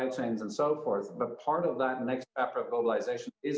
jangan lupa kami sedang berada di atas